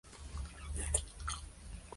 No es el único vía crucis de la provincia.